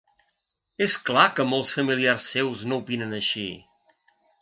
És clar que molts familiars seus no opinen així.